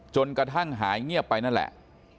จนกระทั่งหายเงียบไปนั่นแหละ